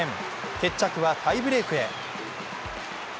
決着はタイブレークへ。